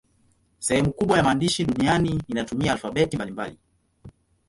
Sehemu kubwa ya maandishi duniani inatumia alfabeti mbalimbali.